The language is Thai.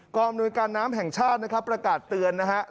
กรอบนวยการน้ำแห่งชาติประกาศเตือนนะครับ